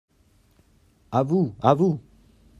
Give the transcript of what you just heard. A vous, à vous !…